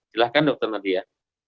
silahkan dr nadia